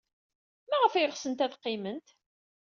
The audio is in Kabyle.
Maɣef ay ɣetsent ad qqiment?